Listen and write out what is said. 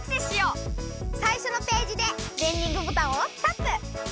さいしょのページでねんリングボタンをタップ！